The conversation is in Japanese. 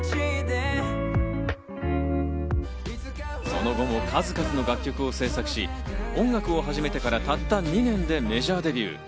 その後も数々の楽曲を制作し、音楽を始めてからたった２年でメジャーデビュー。